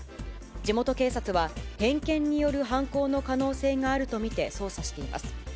地元警察は、偏見による犯行の可能性があると見て、捜査しています。